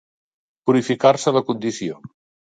Purificar-se la condició.